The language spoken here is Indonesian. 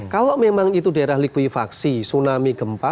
kalau memang itu daerah likuifaksi tsunami gempa